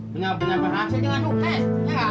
sehingga berhasil dengan sukses